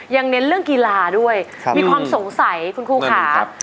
เน้นเรื่องกีฬาด้วยมีความสงสัยคุณครูค่ะ